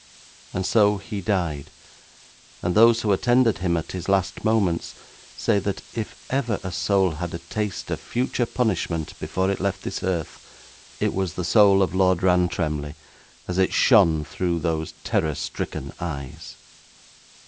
And so he died, and those who attended him at his last moments say that if ever a soul had a taste of future punishment before it left this earth, it was the soul of Lord Rantremly as it shone through those terror stricken eyes.'